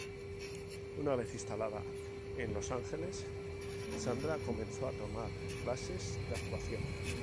Una vez instalada en Los Ángeles, Sandra comenzó a tomar clases de actuación.